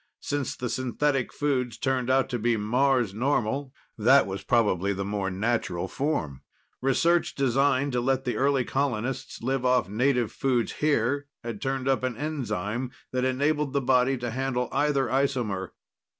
Since the synthetic foods turned out to be Mars normal, that was probably the more natural form. Research designed to let the early colonists live off native food here had turned up an enzyme that enabled the body to handle either isomer.